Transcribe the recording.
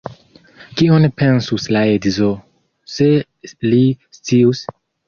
Kion pensus la edzo, se li scius?